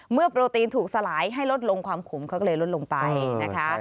โปรตีนถูกสลายให้ลดลงความขมเขาก็เลยลดลงไปนะคะ